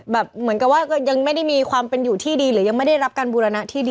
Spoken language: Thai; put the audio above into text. เหมือนกับว่ายังไม่ได้มีความเป็นอยู่ที่ดีหรือยังไม่ได้รับการบูรณะที่ดี